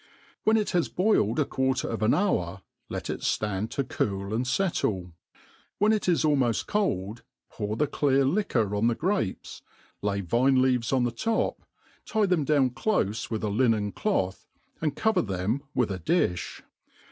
When it'bas boiled a quarter of an hour, let it (land to cool and .fettle; when it is almoft cold, pour the clear liquor on the grapes, lay vine* leaves on the top, tie them down clofe with a l^nen cloth, and cover them with a difh.